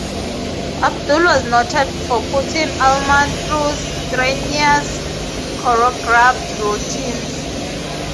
Abdul was noted for putting Ullman through strenuous choreographed routines.